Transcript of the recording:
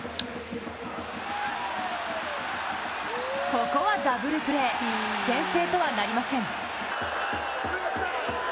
ここはダブルプレー、先制とはなりません。